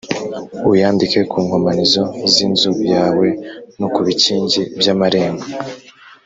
uyandike ku nkomanizo z’inzu yawe no ku bikingi by’amarembo